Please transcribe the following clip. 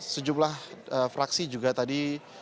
sejumlah fraksi juga tadi